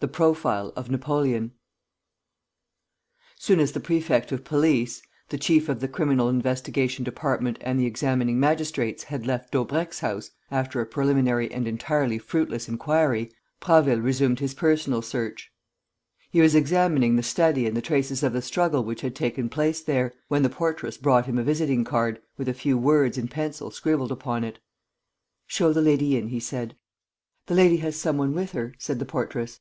THE PROFILE OF NAPOLEON Soon as the prefect of police, the chief of the criminal investigation department and the examining magistrates had left Daubrecq's house, after a preliminary and entirely fruitless inquiry, Prasville resumed his personal search. He was examining the study and the traces of the struggle which had taken place there, when the portress brought him a visiting card, with a few words in pencil scribbled upon it. "Show the lady in," he said. "The lady has some one with her," said the portress.